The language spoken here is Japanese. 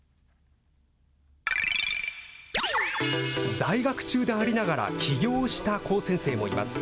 在学中でありながら起業した高専生もいます。